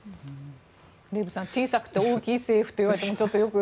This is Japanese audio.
デーブさん、小さくて大きい政府といわれてもちょっとよく。